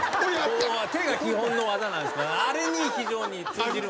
手が基本の技なんですけどあれに非常に通じる。